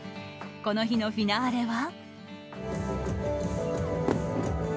この日のフィナーレは。